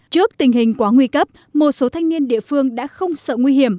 trước tình hình quá nguy cấp một số thanh niên địa phương đã không sợ nguy hiểm